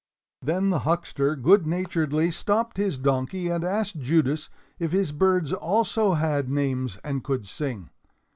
Then the huckster good naturedly stopped his donkey and asked Judas if his birds also had names and could sing.